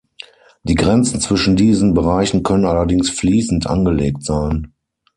Die Grenzen zwischen diesen Bereichen können allerdings fließend angelegt sein.